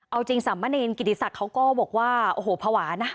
เอาจริงสามเณรกิติศักดิ์เขาก็บอกว่าโอ้โหภาวะนะ